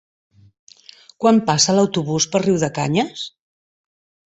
Quan passa l'autobús per Riudecanyes?